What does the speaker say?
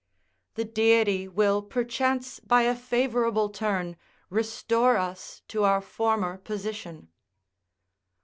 ["The deity will perchance by a favourable turn restore us to our former position."